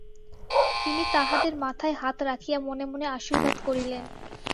তিনি তাহাদের মাথায় হাত রাখিয়া মনে মনে আশীর্বাদ করিলেন।